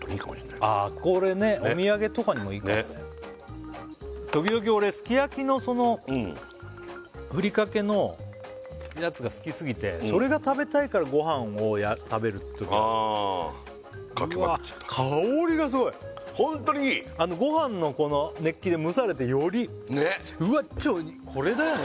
これねお土産とかにもいいかもね時々俺すきやきのそのふりかけのやつが好きすぎてそれが食べたいからご飯を食べるホントにいいご飯のこの熱気で蒸されてよりうわっ超いいこれだよね